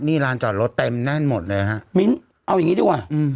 นี่ร้านจอดรถเต็มแน่นหมดเลยฮะมิ้นเอาอย่างนี้ดีกว่าอืม